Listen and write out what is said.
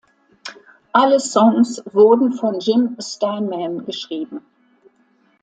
Alle Songs wurden von Jim Steinman geschrieben.